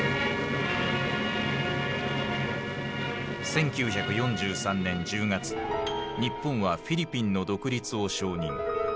１９４３年１０月日本はフィリピンの独立を承認。